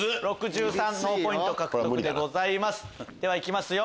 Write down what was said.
ではいきますよ